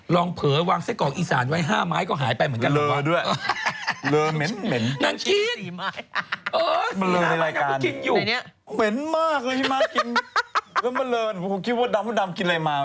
ลองเผ๋อวางเส้นกล่องอีสานไว้๕ไม้ก็หายไปเหมือนกันหรือเปล่า